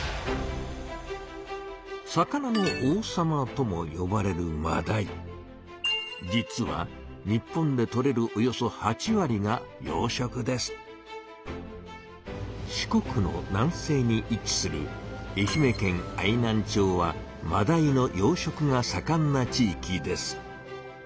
「魚の王様」ともよばれる実は日本でとれるおよそ四国の南西に位置する愛媛県愛南町はマダイの養しょくがさかんな地いきです。